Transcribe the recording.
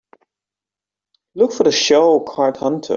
Look for the show Card Hunter